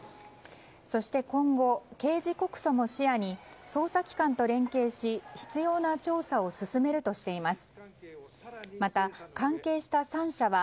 そして今後、刑事告訴も視野に捜査機関と連携し必要な調査を進めるとしています。